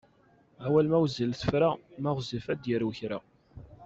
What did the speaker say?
Awal ma wezzil tefra, ma ɣezzif ad d-yarew kra.